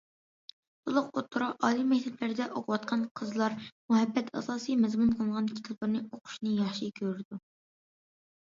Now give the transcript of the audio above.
تولۇق ئوتتۇرا، ئالىي مەكتەپلەردە ئوقۇۋاتقان قىزلار مۇھەببەت ئاساسىي مەزمۇن قىلىنغان كىتابلارنى ئوقۇشنى ياخشى كۆرىدۇ.